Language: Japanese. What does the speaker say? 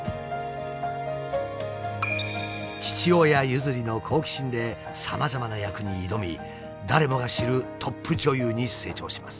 父親譲りの好奇心でさまざまな役に挑み誰もが知るトップ女優に成長します。